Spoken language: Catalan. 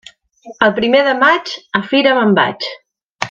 El primer de maig, a fira me'n vaig.